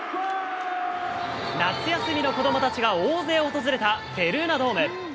夏休みの子どもたちが大勢訪れたベルーナドーム。